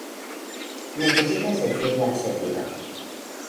necesitas decirle al servidor